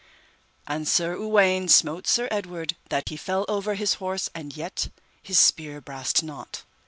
And Sir Uwaine smote Sir Edward that he fell over his horse and yet his spear brast not.